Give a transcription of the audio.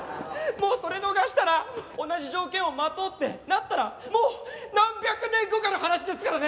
もうそれ逃したら同じ条件を待とうってなったらもう何百年後かの話ですからね！